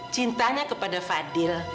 cintanya kepada fadil